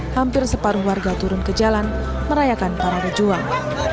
hampir separuh warga turun ke jalan merayakan para dejuang